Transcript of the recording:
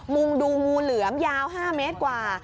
มุงดูงูเหลือมยาว๕เมตรกว่า